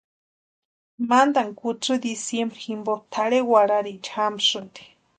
Mantani kutsï diciembre jimpo tʼarhe warhariecha jamasïnti.